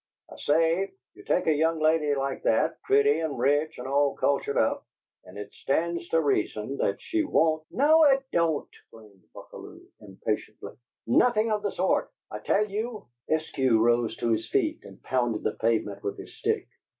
I say: you take a young lady like that, pretty and rich and all cultured up, and it stands to reason that she won't " "No, it don't," exclaimed Buckalew, impatiently. "Nothing of the sort! I tell you " Eskew rose to his feet and pounded the pavement with his stick.